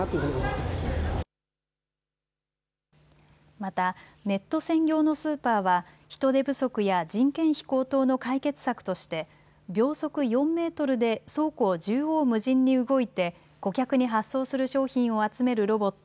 またネット専業のスーパーは人手不足や人件費高騰の解決策として秒速４メートルで倉庫を縦横無尽に動いて顧客に発送する商品を集めるロボット